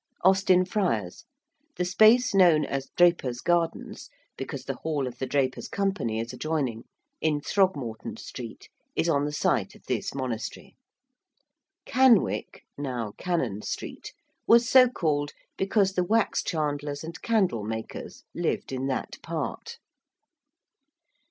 ~Austin Friars~: the space known as Drapers' Gardens (because the hall of the Drapers' Company is adjoining) in Throgmorton Street is on the site of this monastery. ~Canwicke (now Cannon) Street~ was so called because the wax chandlers and candle makers lived in that part.